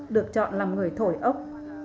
được chọn làm người thổi ốc